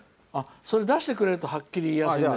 それを出してくれるとはっきり言いやすい。